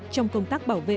trong công tác bảo vệ